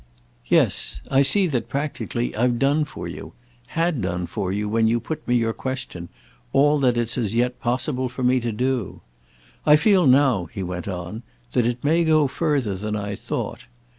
"Yes; I see that, practically, I've done for you—had done for you when you put me your question—all that it's as yet possible to me to do. I feel now," he went on, "that it may go further than I thought.